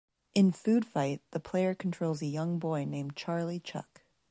In "Food Fight", the player controls a young boy named Charley Chuck.